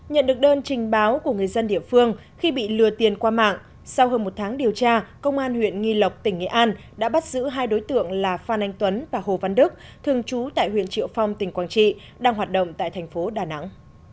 nhận được đơn trình báo của người dân địa phương khi bị lừa tiền qua mạng sau hơn một tháng điều tra công an huyện nghi lộc tỉnh nghệ an đã bắt giữ hai đối tượng là phan anh tuấn và hồ văn đức thường trú tại huyện triệu phong tỉnh quảng trị đang hoạt động tại thành phố đà nẵng